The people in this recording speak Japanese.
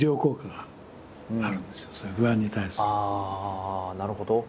ああなるほど。